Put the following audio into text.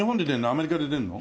アメリカで出るの？